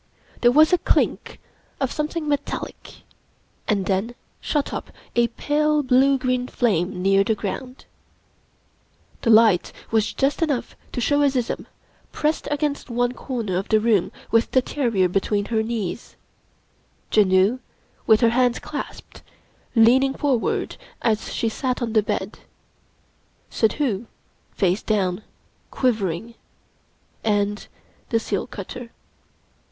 There was a clink of something metallic, and then shot up a pale blue green flame near the ground. The light was just enough to show Azizun, pressed against one comer of the room with the terrier between her knees; Janoo, with her hands clasped, leaning forward as she sat on the bed; Suddhoo, face down, quivering, and the seal cutter.